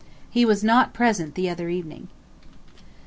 He was not present the other evening.